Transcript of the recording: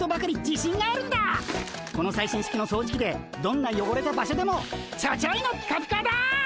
この最新式の掃除機でどんなよごれた場所でもちょちょいのピカピカだ！